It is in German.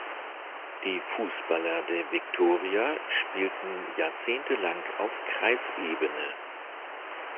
Die Fußballer der Viktoria spielten jahrzehntelang auf Kreisebene.